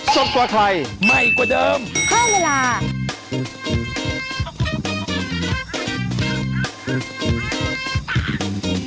ศพกว่าไทย